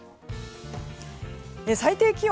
最低気温